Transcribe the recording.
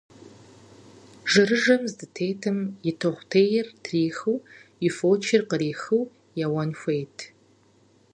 Жэрыжэм зыдытетым, и тохъутейр трихыу, и фочыр къырихыу еуэн хуейт.